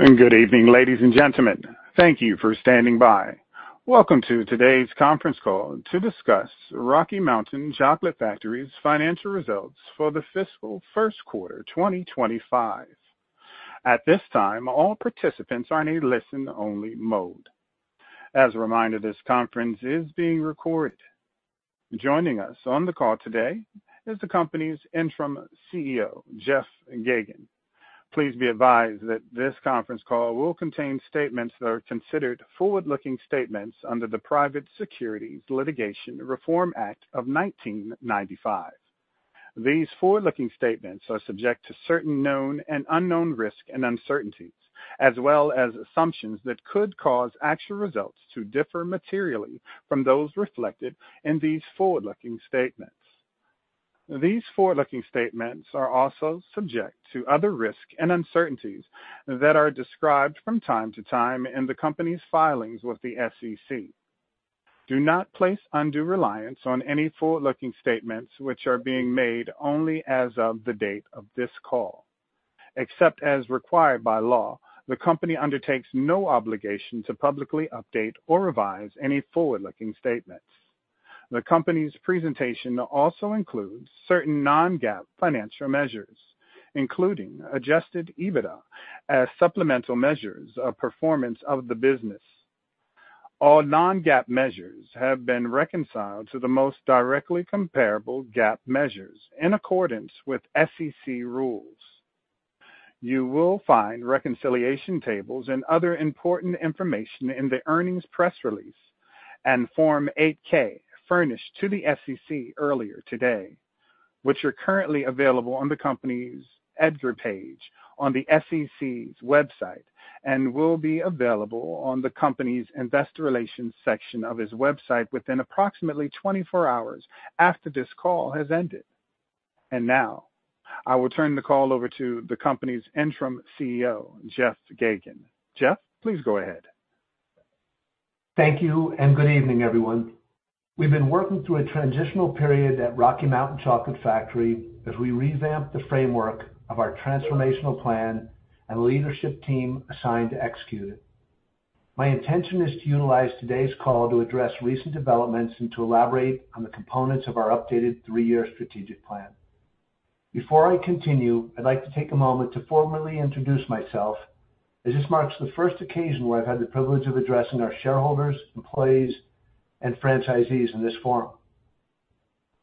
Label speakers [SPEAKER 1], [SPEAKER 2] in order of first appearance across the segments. [SPEAKER 1] Good evening, ladies and gentlemen. Thank you for standing by. Welcome to today's conference call to discuss Rocky Mountain Chocolate Factory's financial results for the fiscal first quarter, 2025. At this time, all participants are in a listen-only mode. As a reminder, this conference is being recorded. Joining us on the call today is the company's interim CEO, Jeff Geygan. Please be advised that this conference call will contain statements that are considered forward-looking statements under the Private Securities Litigation Reform Act of 1995. These forward-looking statements are subject to certain known and unknown risks and uncertainties, as well as assumptions that could cause actual results to differ materially from those reflected in these forward-looking statements. These forward-looking statements are also subject to other risks and uncertainties that are described from time to time in the company's filings with the SEC. Do not place undue reliance on any forward-looking statements, which are being made only as of the date of this call. Except as required by law, the company undertakes no obligation to publicly update or revise any forward-looking statements. The company's presentation also includes certain non-GAAP financial measures, including Adjusted EBITDA, as supplemental measures of performance of the business. All non-GAAP measures have been reconciled to the most directly comparable GAAP measures in accordance with SEC rules. You will find reconciliation tables and other important information in the earnings press release and Form 8-K furnished to the SEC earlier today, which are currently available on the company's EDGAR page on the SEC's website, and will be available on the company's investor relations section of its website within approximately 24 hours after this call has ended. Now, I will turn the call over to the company's Interim CEO, Jeff Geygan. Jeff, please go ahead.
[SPEAKER 2] Thank you, and good evening, everyone. We've been working through a transitional period at Rocky Mountain Chocolate Factory as we revamp the framework of our transformational plan and leadership team assigned to execute it. My intention is to utilize today's call to address recent developments and to elaborate on the components of our updated three-year strategic plan. Before I continue, I'd like to take a moment to formally introduce myself, as this marks the first occasion where I've had the privilege of addressing our shareholders, employees, and franchisees in this forum.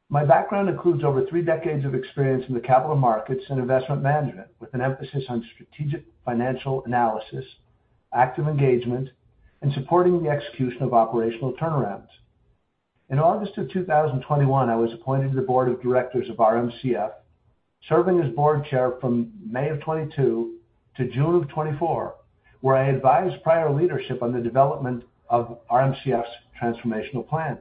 [SPEAKER 2] My background includes over three decades of experience in the capital markets and investment management, with an emphasis on strategic financial analysis, active engagement, and supporting the execution of operational turnarounds. In August of 2021, I was appointed to the board of directors of RMCF, serving as board chair from May of 2022 to June of 2024, where I advised prior leadership on the development of RMCF's transformational plan.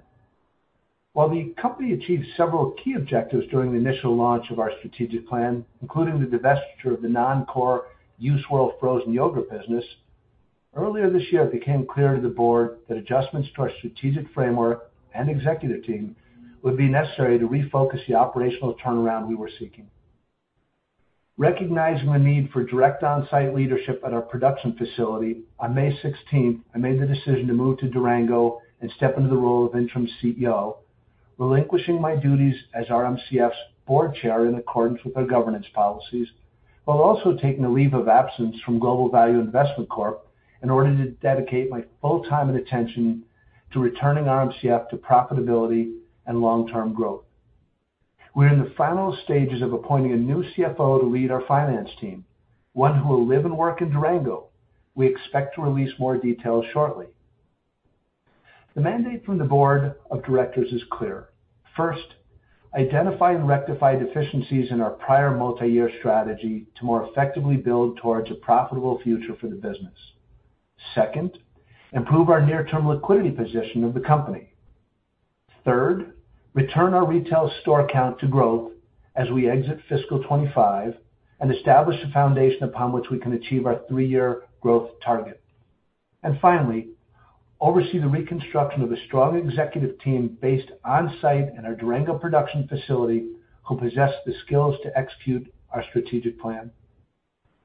[SPEAKER 2] While the company achieved several key objectives during the initial launch of our strategic plan, including the Divestiture of the non-core U-Swirl Frozen Yogurt Business, earlier this year, it became clear to the board that adjustments to our strategic framework and executive team would be necessary to refocus the operational turnaround we were seeking. Recognizing the need for direct on-site leadership at our production facility, on May 16, I made the decision to move to Durango and step into the role of Interim CEO, relinquishing my duties as RMCF's board chair in accordance with our governance policies, while also taking a leave of absence from Global Value Investment Corp., in order to dedicate my full time and attention to returning RMCF to profitability and long-term growth. We're in the final stages of appointing a new CFO to lead our finance team, one who will live and work in Durango. We expect to release more details shortly. The mandate from the board of directors is clear. First, identify and rectify deficiencies in our prior multi-year strategy to more effectively build towards a profitable future for the business. Second, improve our near-term liquidity position of the company. Third, return our retail store count to growth as we exit fiscal 2025 and establish a foundation upon which we can achieve our three-year growth target. And finally, oversee the reconstruction of a strong executive team based on-site in our Durango production facility, who possess the skills to execute our strategic plan.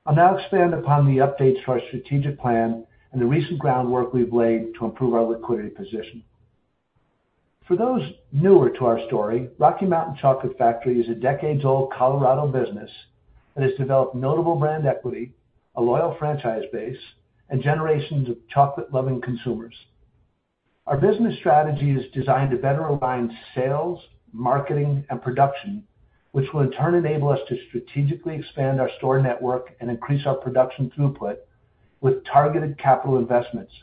[SPEAKER 2] I'll now expand upon the updates to our strategic plan and the recent groundwork we've laid to improve our liquidity position. For those newer to our story, Rocky Mountain Chocolate Factory is a decades-old Colorado business that has developed notable brand equity, a loyal franchise base, and generations of chocolate-loving consumers. Our business strategy is designed to better align sales, marketing, and production, which will in turn enable us to strategically expand our store network and increase our production throughput with targeted capital investments.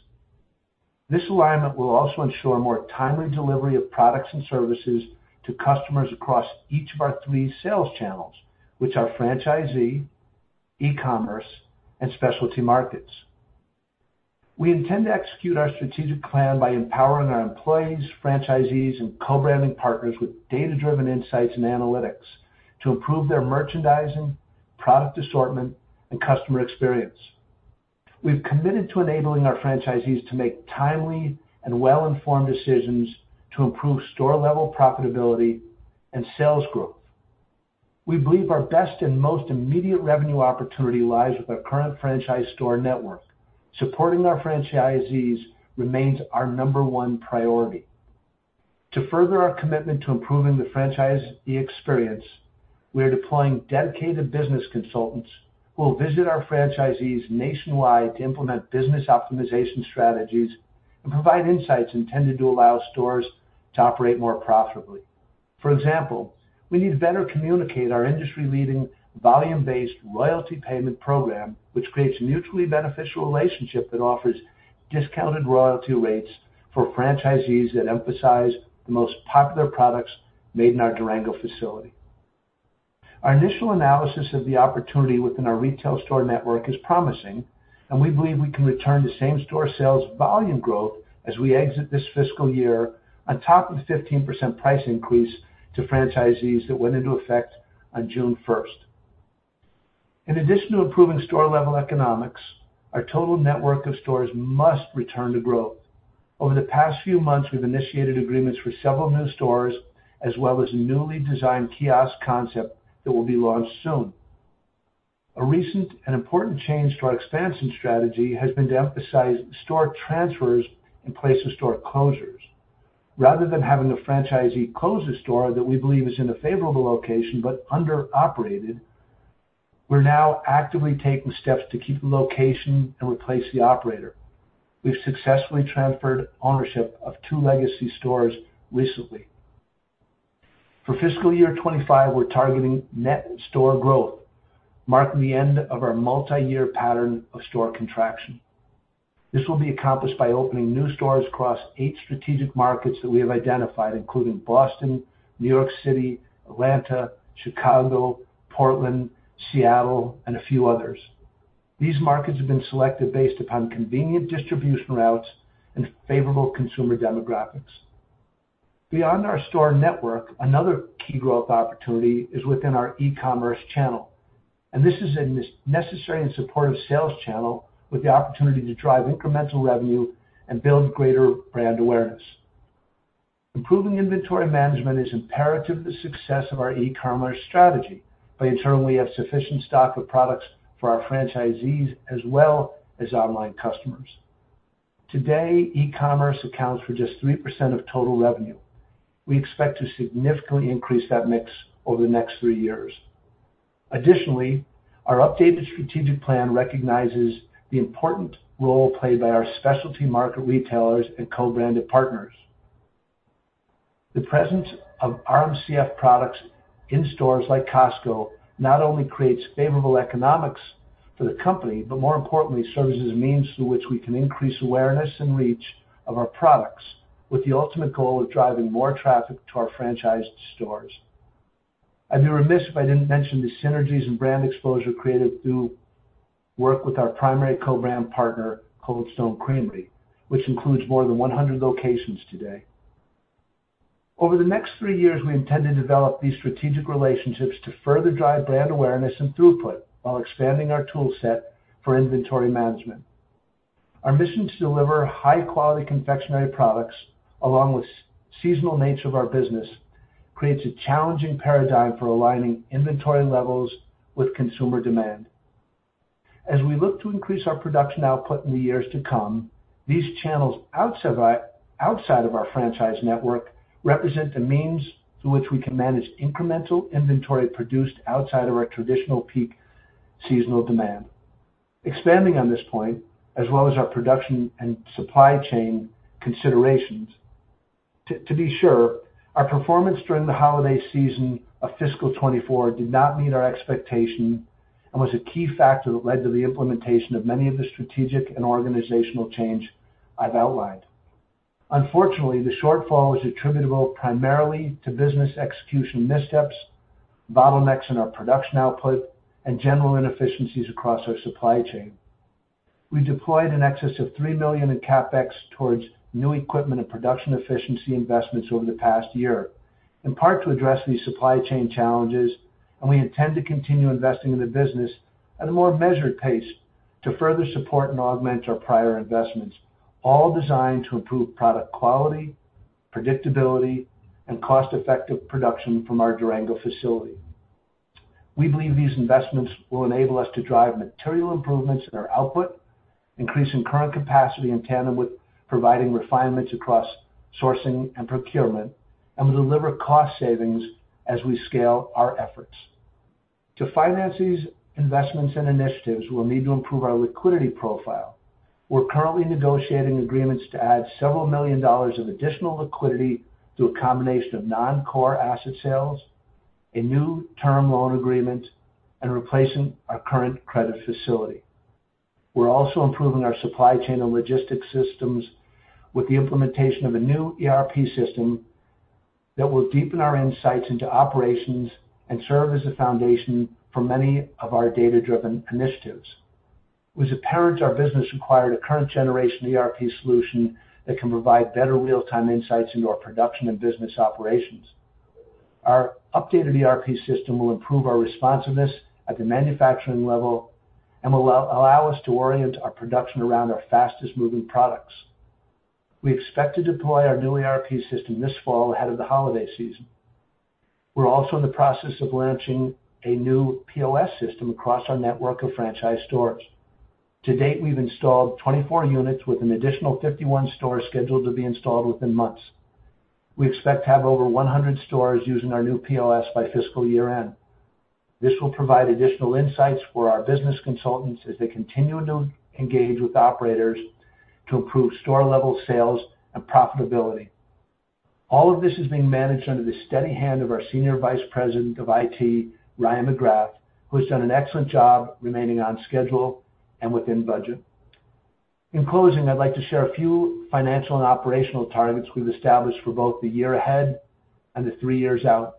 [SPEAKER 2] This alignment will also ensure more timely delivery of products and services to customers across each of our three sales channels, which are Franchisee, E-commerce, and Specialty Markets. We intend to execute our strategic plan by empowering our employees, franchisees, and co-branding partners with data-driven insights and analytics to improve their merchandising, product assortment, and customer experience. We've committed to enabling our franchisees to make timely and well-informed decisions to improve store-level profitability and sales growth. We believe our best and most immediate revenue opportunity lies with our current franchise store network. Supporting our franchisees remains our number one priority. To further our commitment to improving the franchisee experience, we are deploying dedicated business consultants, who will visit our franchisees nationwide to implement business optimization strategies and provide insights intended to allow stores to operate more profitably. For example, we need to better communicate our industry-leading, volume-based royalty payment program, which creates a mutually beneficial relationship that offers discounted royalty rates for franchisees that emphasize the most popular products made in our Durango facility. Our initial analysis of the opportunity within our retail store network is promising, and we believe we can return the same-store sales volume growth as we exit this fiscal year, on top of the 15% price increase to franchisees that went into effect on June first. In addition to improving store-level economics, our total network of stores must return to growth. Over the past few months, we've initiated agreements for several new stores, as well as a newly designed kiosk concept that will be launched soon. A recent and important change to our expansion strategy has been to emphasize store transfers in place of store closures. Rather than having a franchisee close a store that we believe is in a favorable location, but under-operated, we're now actively taking steps to keep the location and replace the operator. We've successfully transferred ownership of two legacy stores recently. For fiscal year 2025, we're targeting net store growth, marking the end of our multiyear pattern of store contraction. This will be accomplished by opening new stores across eight strategic markets that we have identified, including Boston, New York City, Atlanta, Chicago, Portland, Seattle, and a few others. These markets have been selected based upon convenient distribution routes and favorable consumer demographics. Beyond our store network, another key growth opportunity is within our E-commerce channel, and this is a necessary and supportive sales channel with the opportunity to drive incremental revenue and build greater brand awareness. Improving inventory management is imperative to success of our e-commerce strategy by ensuring we have sufficient stock of products for our franchisees as well as online customers. Today, e-commerce accounts for just 3% of total revenue. We expect to significantly increase that mix over the next 3 years. Additionally, our updated strategic plan recognizes the important role played by our specialty market retailers and co-branded partners. The presence of RMCF products in stores like Costco not only creates favorable economics for the company, but more importantly, serves as a means through which we can increase awareness and reach of our products, with the ultimate goal of driving more traffic to our franchised stores. I'd be remiss if I didn't mention the synergies and brand exposure created through work with our primary co-brand partner, Cold Stone Creamery, which includes more than 100 locations today. Over the next three years, we intend to develop these strategic relationships to further drive brand awareness and throughput, while expanding our toolset for inventory management. Our mission to deliver high-quality confectionery products, along with seasonal nature of our business, creates a challenging paradigm for aligning inventory levels with consumer demand. As we look to increase our production output in the years to come, these channels outside of our franchise network represent the means through which we can manage incremental inventory produced outside of our traditional peak seasonal demand. Expanding on this point, as well as our production and supply chain considerations, to be sure, our performance during the holiday season of fiscal 2024 did not meet our expectation and was a key factor that led to the implementation of many of the strategic and organizational changes I've outlined. Unfortunately, the shortfall is attributable primarily to business execution missteps, bottlenecks in our production output, and general inefficiencies across our supply chain. We deployed in excess of $3 million in CapEx towards new equipment and production efficiency investments over the past year, in part to address these supply chain challenges, and we intend to continue investing in the business at a more measured pace to further support and augment our prior investments, all designed to improve product quality, predictability, and cost-effective production from our Durango facility. We believe these investments will enable us to drive material improvements in our output, increasing current capacity in tandem with providing refinements across sourcing and procurement, and will deliver cost savings as we scale our efforts. To finance these investments and initiatives, we'll need to improve our liquidity profile. We're currently negotiating agreements to add several million dollars of additional liquidity through a combination of non-core asset sales, a new term loan agreement, and replacing our current credit facility. We're also improving our supply chain and logistics systems with the implementation of a new ERP system that will deepen our insights into operations and serve as a foundation for many of our data-driven initiatives. It was apparent our business required a current-generation ERP solution that can provide better real-time insights into our production and business operations. Our updated ERP system will improve our responsiveness at the manufacturing level and will allow us to orient our production around our fastest-moving products.... We expect to deploy our new ERP system this fall ahead of the holiday season. We're also in the process of launching a new POS system across our network of franchise stores. To date, we've installed 24 units, with an additional 51 stores scheduled to be installed within months. We expect to have over 100 stores using our new POS by fiscal year-end. This will provide additional insights for our business consultants as they continue to engage with operators to improve store-level sales and profitability. All of this is being managed under the steady hand of our Senior Vice President of IT, Ryan McGrath, who has done an excellent job remaining on schedule and within budget. In closing, I'd like to share a few financial and operational targets we've established for both the year ahead and the three years out.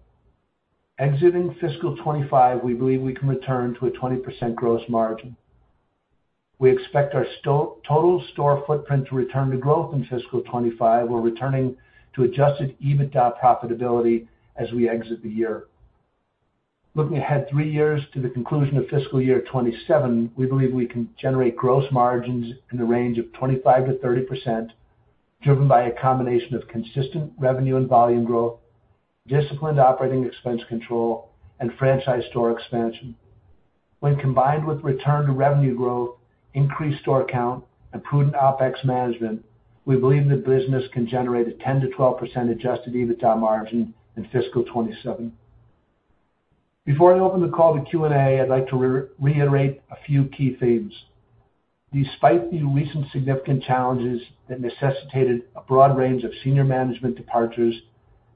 [SPEAKER 2] Exiting fiscal 2025, we believe we can return to a 20% gross margin. We expect our total store footprint to return to growth in fiscal 2025. We're returning to adjusted EBITDA profitability as we exit the year. Looking ahead three years to the conclusion of fiscal year 2027, we believe we can generate gross margins in the range of 25%-30%, driven by a combination of consistent revenue and volume growth, disciplined operating expense control, and franchise store expansion. When combined with return to revenue growth, increased store count, and prudent OpEx management, we believe the business can generate a 10%-12% Adjusted EBITDA margin in fiscal 2027. Before I open the call to Q&A, I'd like to reiterate a few key themes. Despite the recent significant challenges that necessitated a broad range of senior management departures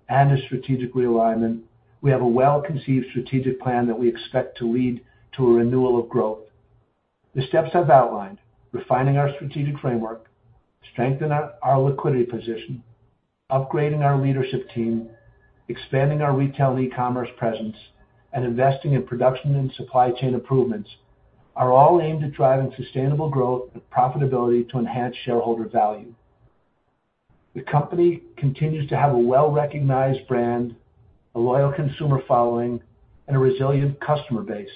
[SPEAKER 2] and a strategic realignment, we have a well-conceived strategic plan that we expect to lead to a renewal of growth. The steps I've outlined, refining our strategic framework, strengthen our liquidity position, upgrading our leadership team, expanding our retail and e-commerce presence, and investing in production and supply chain improvements, are all aimed at driving sustainable growth and profitability to enhance shareholder value. The company continues to have a well-recognized brand, a loyal consumer following, and a resilient customer base.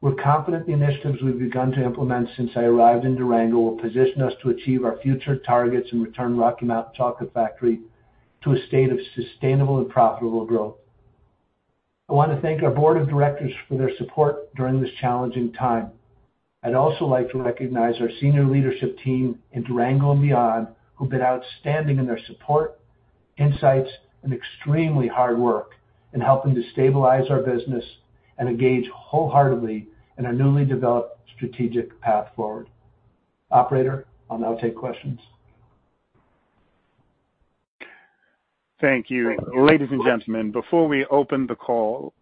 [SPEAKER 2] We're confident the initiatives we've begun to implement since I arrived in Durango will position us to achieve our future targets and return Rocky Mountain Chocolate Factory to a state of sustainable and profitable growth. I want to thank our board of directors for their support during this challenging time. I'd also like to recognize our senior leadership team in Durango and beyond, who've been outstanding in their support, insights, and extremely hard work in helping to stabilize our business and engage wholeheartedly in our newly developed strategic path forward. Operator, I'll now take questions.
[SPEAKER 1] Thank you. Ladies and gentlemen, before we open the call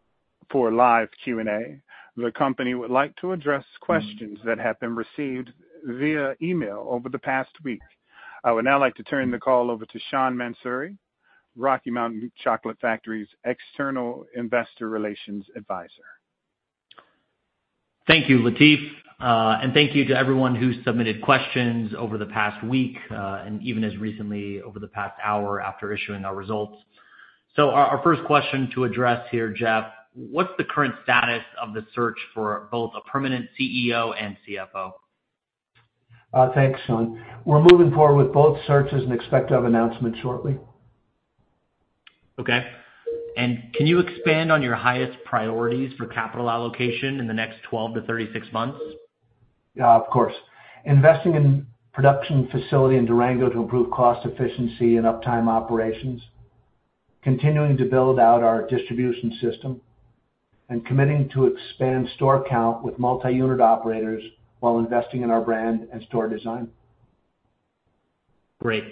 [SPEAKER 1] for live Q&A, the company would like to address questions that have been received via email over the past week. I would now like to turn the call over to Sean Mansouri, Rocky Mountain Chocolate Factory's External Investor Relations Advisor.
[SPEAKER 3] Thank you, Latif, and thank you to everyone who submitted questions over the past week, and even as recently over the past hour after issuing our results. So our first question to address here, Jeff, what's the current status of the search for both a permanent CEO and CFO?
[SPEAKER 2] Thanks, Sean. We're moving forward with both searches and expect to have an announcement shortly.
[SPEAKER 3] Okay. Can you expand on your highest priorities for capital allocation in the next 12-36 months?
[SPEAKER 2] Yeah, of course. Investing in production facility in Durango to improve cost efficiency and uptime operations, continuing to build out our distribution system, and committing to expand store count with multi-unit operators while investing in our brand and store design.
[SPEAKER 3] Great.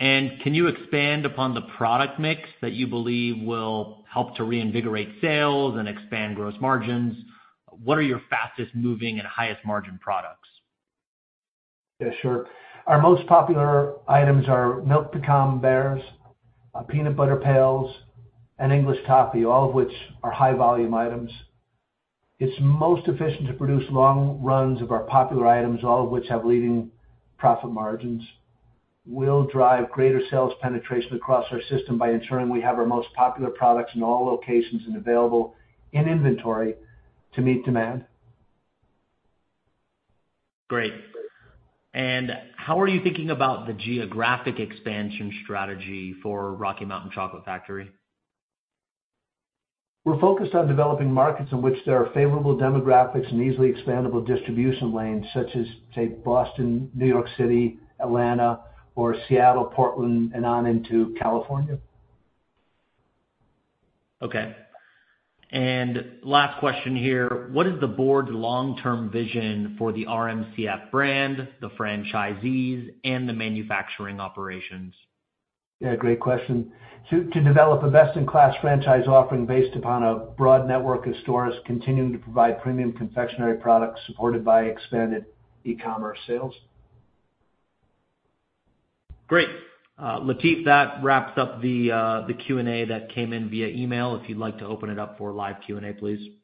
[SPEAKER 3] Can you expand upon the product mix that you believe will help to reinvigorate sales and expand gross margins? What are your fastest moving and highest margin products?
[SPEAKER 2] Yeah, sure. Our most popular items are Milk Pecan Bears, Peanut Butter Pails, and English Toffee, all of which are high-volume items. It's most efficient to produce long runs of our popular items, all of which have leading profit margins. We'll drive greater sales penetration across our system by ensuring we have our most popular products in all locations and available in inventory to meet demand.
[SPEAKER 3] Great. And how are you thinking about the geographic expansion strategy for Rocky Mountain Chocolate Factory?
[SPEAKER 2] We're focused on developing markets in which there are favorable demographics and easily expandable distribution lanes, such as, say, Boston, New York City, Atlanta, or Seattle, Portland, and on into California.
[SPEAKER 3] Okay. Last question here: What is the board's long-term vision for the RMCF brand, the franchisees, and the manufacturing operations?
[SPEAKER 2] Yeah, great question. To develop a best-in-class franchise offering based upon a broad network of stores, continuing to provide premium confectionery products supported by expanded e-commerce sales.
[SPEAKER 3] Great. Latif, that wraps up the Q&A that came in via email. If you'd like to open it up for live Q&A, please.